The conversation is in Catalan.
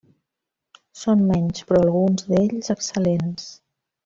Són menys, però alguns d'ells excel·lents.